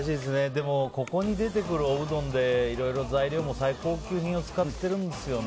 でも、ここに出てくるおうどんで、いろいろ材料も最高級の使ってるんですよね。